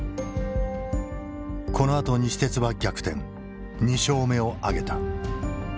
このあと西鉄は逆転２勝目を挙げた。